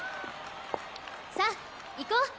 さあいこう！